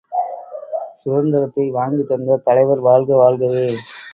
சுதந்தி ரத்தை வாங்கித் தந்த தலைவர் வாழ்க, வாழ்கவே!